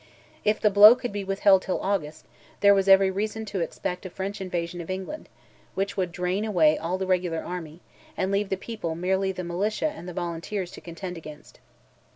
If the blow could be withheld till August, there was every reason to expect a French invasion of England, which would drain away all the regular army, and leave the people merely the militia and the volunteers to contend against.